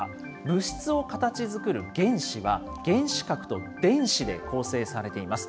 物質を形づくる原子は、原子核と電子で構成されています。